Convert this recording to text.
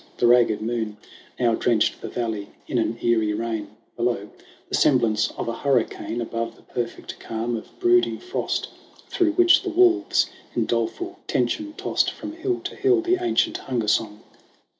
The ragged moon Now drenched the valley in an eerie rain : Below, the semblance of a hurricane ; Above, the perfect calm of brooding frost, Through which the wolves in doleful tenson tossed From hill to hill the ancient hunger song.